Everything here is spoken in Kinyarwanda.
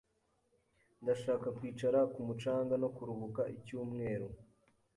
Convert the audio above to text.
Ndashaka kwicara ku mucanga no kuruhuka icyumweru.